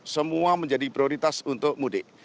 semua menjadi prioritas untuk mudik